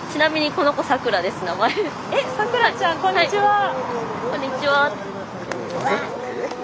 「こんにちは」って。